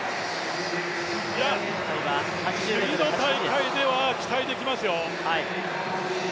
次の大会では、期待できますよ。